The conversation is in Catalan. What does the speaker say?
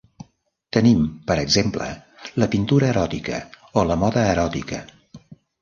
Tenim, per exemple, la pintura eròtica o la moda eròtica.